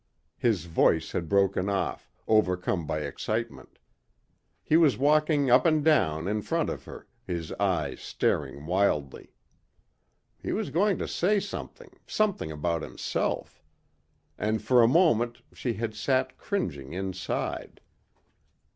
His voice had broken off, overcome by excitement. He was walking up and down in front of her, his eyes staring wildly. He was going to say something, something about himself. And for a moment she had sat cringing inside.